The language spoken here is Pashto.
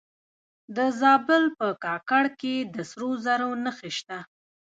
د زابل په کاکړ کې د سرو زرو نښې شته.